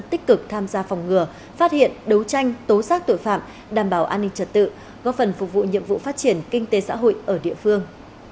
tích cực tham gia phòng ngừa phát hiện đấu tranh tố xác tội phạm đảm bảo an ninh trật tự góp phần phục vụ nhiệm vụ phát triển kinh tế xã hội ở địa phương